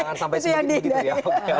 jangan sampai seperti itu ya